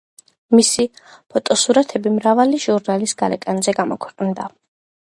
მისი ფოტოსურათები მრავალი ჟურნალის გარეკანზე გამოქვეყნდა.